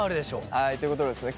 はいということでですね